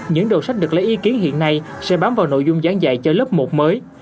những đồ sách được lấy ý kiến hiện nay sẽ bám vào nội dung gián dạy cho lớp một mới